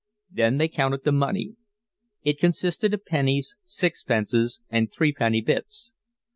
Then they counted the money. It consisted of pennies, sixpences and threepenny bits.